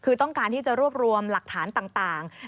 คือต้องการที่จะรวบรวมหลักฐานต่าง